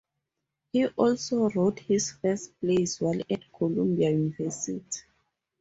He also wrote his first plays while at Columbia University.